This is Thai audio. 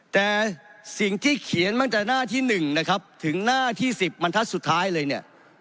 แต่สิ่งที่เขียนตั้งแต่หน้าที่๑นะครับถึงหน้าที่๑๐บรรทัศน์สุดท้ายเลยเนี่ย